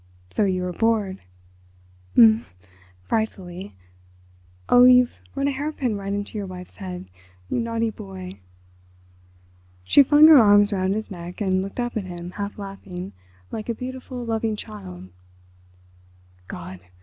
so you were bored?" "Um m—frightfully.... Oh, you've run a hairpin right into your wife's head—you naughty boy!" She flung her arms round his neck and looked up at him, half laughing, like a beautiful, loving child. "God!